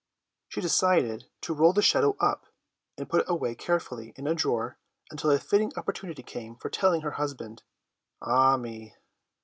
She decided to roll the shadow up and put it away carefully in a drawer, until a fitting opportunity came for telling her husband. Ah me!